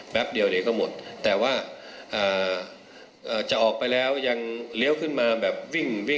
เดียวเดี๋ยวก็หมดแต่ว่าจะออกไปแล้วยังเลี้ยวขึ้นมาแบบวิ่งวิ่ง